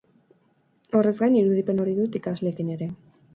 Horrez gain, irudipen hori dut ikasleekin ere.